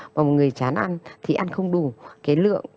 và một người chán ăn thì ăn không đủ cái lượng